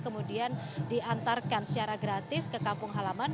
kemudian diantarkan secara gratis ke kampung halaman